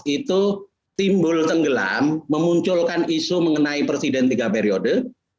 itu timbul tenggelam memunculkan isu mengenai presiden tiga periode